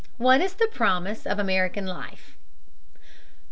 WHAT IS THE PROMISE OF AMERICAN LIFE?